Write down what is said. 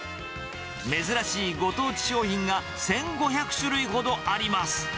珍しいご当地商品が１５００種類ほどあります。